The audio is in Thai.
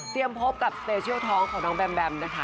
เตรียมพบกับสเตชิอลท้องของน้องแบมแบมนะคะ